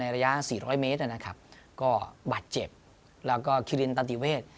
แล้วก็คิรินตาติเวช